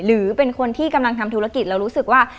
หรือเป็นคนที่กำลังทำธุรกิจเรารู้สึกว่า